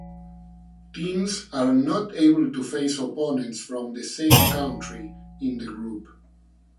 Teams are not able to face opponents from the same country in the group.